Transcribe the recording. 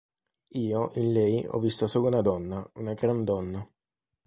Io, in lei, ho visto solo una donna, una gran donna"”.